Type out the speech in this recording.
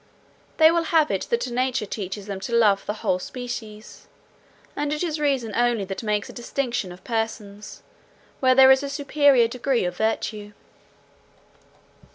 They will have it that nature teaches them to love the whole species, and it is reason only that makes a distinction of persons, where there is a superior degree of virtue.